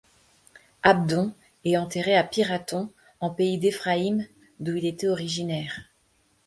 Abdon est enterré à Pirathon, en pays d'Éphraïm, d'où il était originaire.